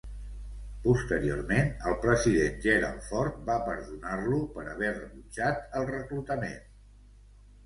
Posteriorment el president Gerald Ford va perdonar-lo per haver rebutjat el reclutament.